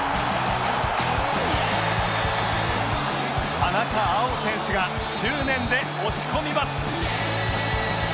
田中碧選手が執念で押し込みます